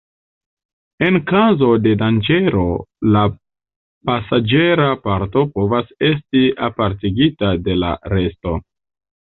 En kazo de danĝero la pasaĝera parto povas esti apartigita de la resto.